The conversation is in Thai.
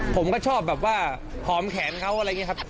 ผมก็ชอบแบบว่าหอมแขนเขาอะไรอย่างนี้ครับ